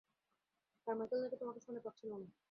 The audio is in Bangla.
কারমাইকেল নাকি তোমাকে ফোনে পাচ্ছিল না।